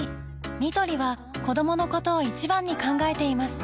ニトリは子どものことを一番に考えています